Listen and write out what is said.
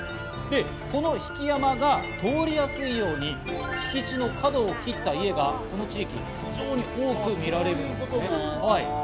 この曳山が通りやすいように敷地の角を切った家がこの地域、非常に多く見られるんです。